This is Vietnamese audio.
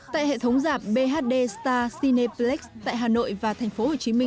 tại hệ thống giảm bhd star cineplex tại hà nội và tp hcm